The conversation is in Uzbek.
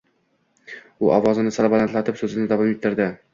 — u ovozini sal balandlab so’zini davom ettirdi: